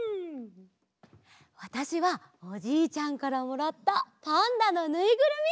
わたしはおじいちゃんからもらったパンダのぬいぐるみ！